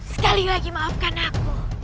sekali lagi maafkan aku